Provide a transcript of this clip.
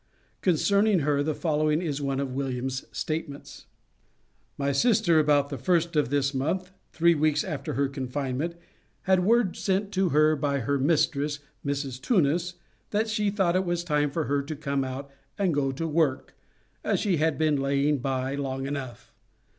Concerning her the following is one of William's statements: "My sister about the first of this month, three weeks after her confinement, had word sent to her by her mistress, Mrs. Tunis, that she thought it was time for her to come out and go to work, as she had been laying by long enough."